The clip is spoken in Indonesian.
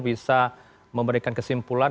bisa memberikan kesimpulan